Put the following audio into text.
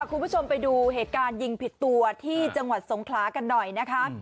คุณผู้ชมไปดูเหตุการณ์ยิงผิดตัวที่จังหวัดสงขลากันหน่อยนะคะ